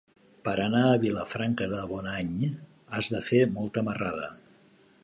Per anar a Vilafranca de Bonany has de fer molta marrada.